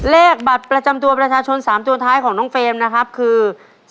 เลขบัตรประจำตัวประชาชน๓ตัวท้ายของน้องเฟรมนะครับคือ